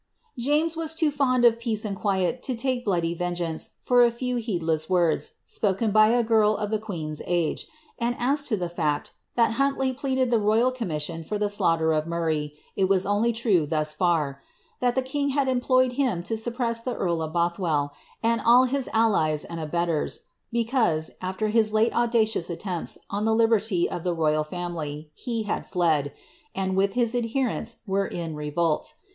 " James was too fond of peace and quiet to take bloody veogeance for a few heedless words, spoken by a girl of the queen's age ; and as to the &ct, that Huntley pleaded the royal com miaeion for the slaughter of Murray, it was only true thus &r that the king had employed him to suppress the earl of Bothwell and all his allies and abettors, because, auer his late audacious attempts on the liberty of the royal family, he had fled, and, with his adherents, were in revolt.